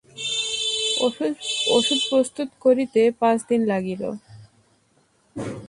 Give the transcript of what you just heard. ঔষধ প্রস্তুত করিতে পাঁচদিন লাগিল।